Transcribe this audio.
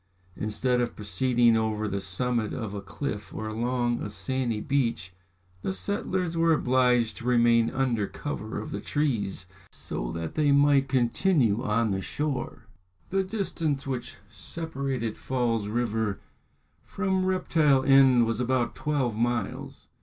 Instead of proceeding over the summit of a cliff or along a sandy beach, the settlers were obliged to remain under cover of the trees so that they might continue on the shore. The distance which separated Falls River from Reptile End was about twelve miles.